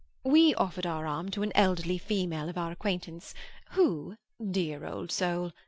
We offered our arm to an elderly female of our acquaintance, who—dear old soul!